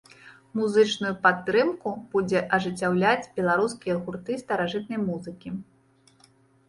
Музычную падтрымку будзе ажыццяўляць беларускія гурты старажытнай музыкі.